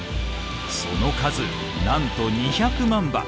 その数なんと２００万羽。